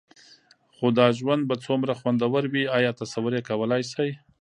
خو دا ژوند به څومره خوندور وي؟ ایا تصور یې کولای شئ؟